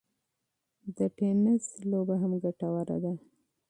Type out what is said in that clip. د ټینېس لوبه هم ګټوره ده.